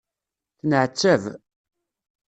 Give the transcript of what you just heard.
Tenεettab.